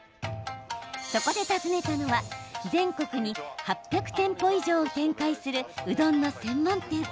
そこで訪ねたのは全国に８００店舗以上を展開するうどんの専門店。